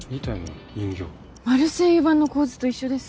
マルセイユ版の構図と一緒です。